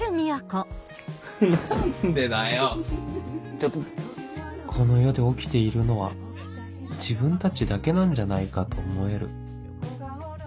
ちょっとこの世で起きているのは自分たちだけなんじゃないかと思える